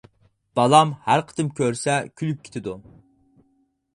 بالام ھەر قېتىم كۆرسە كۈلۈپ كېتىدۇ.